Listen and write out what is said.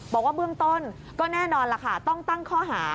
บอกว่าเบื้องต้นก็แน่นอนล่ะค่ะต้องตั้งข้อหา